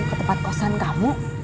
ke tempat kosan kamu